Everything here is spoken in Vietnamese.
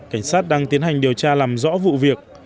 cảnh sát đang tiến hành điều tra làm rõ vụ việc